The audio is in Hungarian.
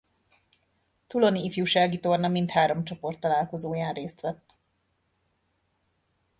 Touloni Ifjúsági Torna mindhárom csoporttalálkozóján részt vett.